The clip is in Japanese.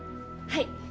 はい。